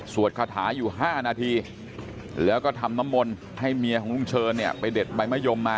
คาถาอยู่๕นาทีแล้วก็ทำน้ำมนต์ให้เมียของลุงเชิญเนี่ยไปเด็ดใบมะยมมา